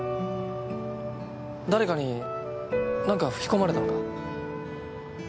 誰かに何か吹き込まれたのか？